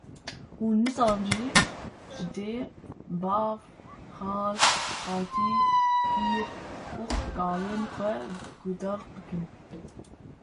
hûn nizanin jî ji dê, bav, xal, xaltî, pîr û kalên xwe guhdar bikin